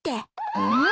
うん？